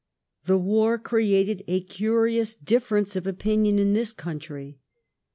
The war created a curious difference of opinion in this country.